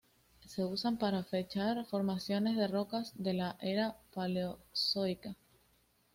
Se usan para fechar formaciones de rocas de la era Paleozoica.